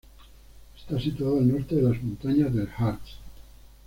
Está situada al norte de las montañas del Harz.